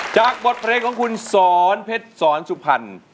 จากบทเพลงของคุณสอนเพชรสอนสุพรรณ